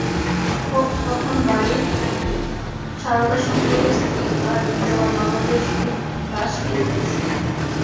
তখন বাড়ির গৃহিণী শারদাশংকরের স্ত্রী তাঁহার বিধবা ননদের সহিত তাস খেলিতেছিলেন।